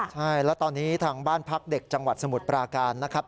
ใช่แล้วตอนนี้ทางบ้านพักเด็กจังหวัดสมุทรปราการนะครับ